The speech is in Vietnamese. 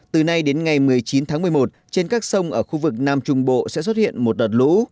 từ nay đến ngày một mươi chín tháng một mươi một trên các sông ở khu vực nam trung bộ sẽ xuất hiện một đợt lũ